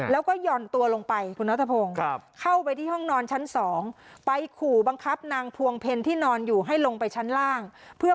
แล้วก็หย่อนตัวลงไปคุณณฐพง